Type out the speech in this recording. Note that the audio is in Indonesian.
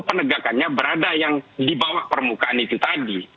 penegakannya berada yang di bawah permukaan itu tadi